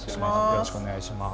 よろしくお願いします。